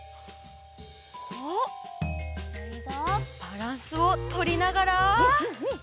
バランスをとりながら。